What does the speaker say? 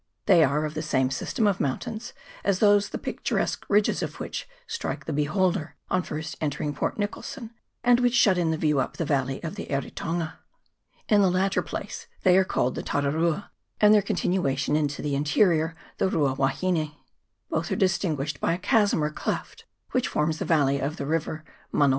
They are of the same system of mountains as tl the picturesque ridges of which strike the beholder on first entering Port Nicholson, and which >hut in the view up the valley of the Eritonga. In the latter place they are called the Tararua, and their continuation into the interior the Rua wahine. Both are distinguished by a chasm or cleft, which forms the valley of the river Manawatu.